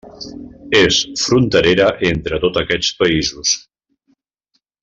És fronterera entre tots aquests països.